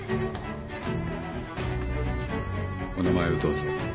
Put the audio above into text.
お名前をどうぞ。